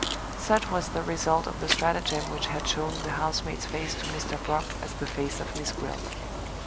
Such was the result of the stratagem which had shown the housemaid's face to Mr. Brock as the face of Miss Gwilt.